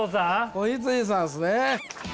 子羊さんすね。